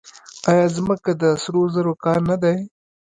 آیا ځمکه د سرو زرو کان نه دی؟